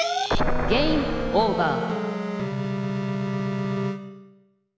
ゲームオーバー。